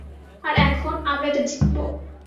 আর এখন, আমরা এটা জিতবো।